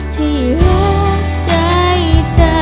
ที่หัวใจเธอ